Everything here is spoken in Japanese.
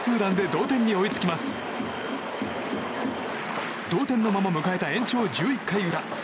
同点のまま迎えた延長１１回裏。